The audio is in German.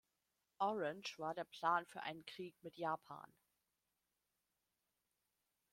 Orange war der Plan für einen Krieg mit Japan.